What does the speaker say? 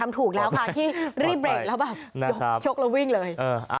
ถูกแล้วค่ะที่รีบเบรกแล้วแบบชกแล้ววิ่งเลย